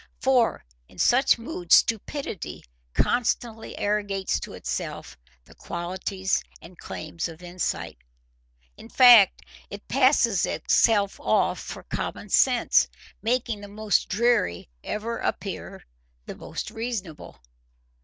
For in such moods stupidity constantly arrogates to itself the qualities and claims of insight. In fact, it passes itself off for common sense, making the most dreary ever appear the most reasonable.